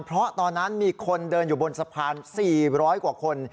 เพราะตอนนั้นมีคนเดินอยู่บนสะพาน๔๐๐กว่าคน